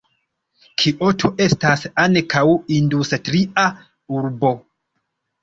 Kioto estas ankaŭ industria urbo.